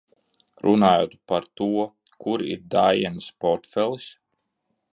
Runājot par to, kur ir Daienas portfelis?